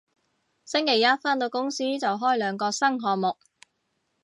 星期一返到公司就開兩個新項目